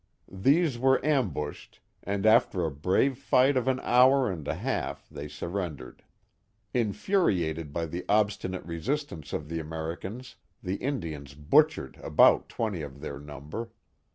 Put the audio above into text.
These were ambushed, and after a brave fight of an hour and a half they surrendered. Infuriated by the obstinate resist ance of the Americans, the Indians butchered about twenty of their number.